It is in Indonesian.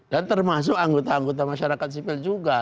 dan termasuk anggota anggota masyarakat sivil juga